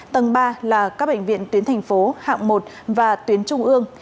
tầng ba là các bệnh viện tuyến thành phố hạng một và tuyến trung ương